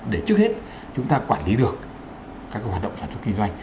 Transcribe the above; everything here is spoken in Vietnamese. để trước hết chúng ta quản lý được các hoạt động sản xuất kinh doanh